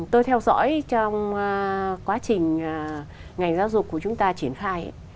tôi theo dõi trong quá trình ngành giáo dục của chúng ta triển khai